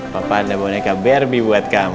papa anda boneka barbie buat kamu